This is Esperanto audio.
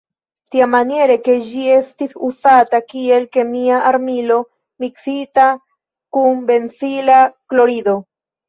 Tiamaniere ke ĝi estis uzata kiel kemia armilo miksita kun benzila klorido.